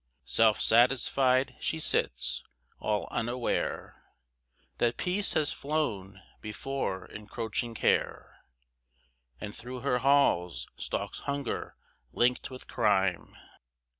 Self satisfied she sits, all unaware That peace has flown before encroaching care, And through her halls stalks hunger, linked with crime.